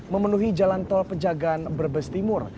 memenuhi jalan tol pejagaan brebes timur